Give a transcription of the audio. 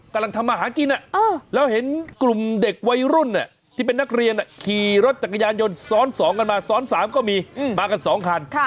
กำลังทำมาหากินแล้วเห็นกลุ่มเด็กวัยรุ่นที่เป็นนักเรียนขี่รถจักรยานยนต์ซ้อน๒กันมาซ้อน๓ก็มีมากัน๒คัน